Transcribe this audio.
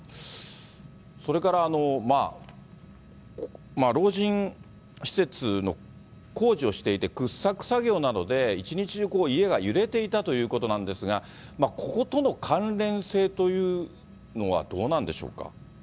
それから老人施設の工事をしていて、掘削作業などで、一日中家が揺れていたということなんですが、こことの関連性というのは、どうなんでしょうか。